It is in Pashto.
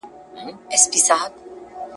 برېتور دي چي ښخېږي د زمریو جنازې دي ,